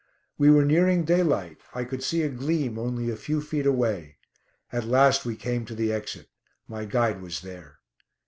We were nearing daylight. I could see a gleam only a few feet away. At last we came to the exit. My guide was there.